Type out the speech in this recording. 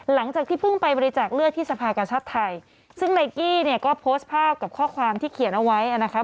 หลังจากที่เพิ่งไปบริจาคเลือดที่สภากชาติไทยซึ่งนายกี้เนี่ยก็โพสต์ภาพกับข้อความที่เขียนเอาไว้นะคะ